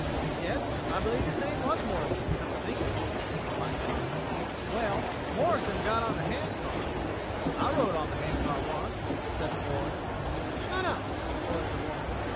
"Yes, I believe his name was Morrison, come to think of it," replied Tom. "Well, Morrison got on the hand car." "I rode on the hand car once," said the boy. "Shut up!" ordered the woman.